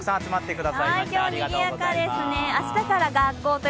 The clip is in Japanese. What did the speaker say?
今日、にぎやかですね。